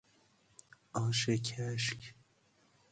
آش کشک